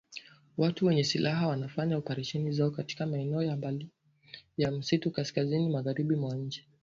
Watu wenye silaha wanafanya operesheni zao katika maeneo ya mbali ya misitu kaskazini magharibi mwa nchi